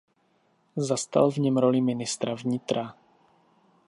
Zastal v něm roli ministra vnitra.